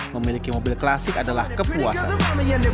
memiliki mobil klasik adalah kepuasan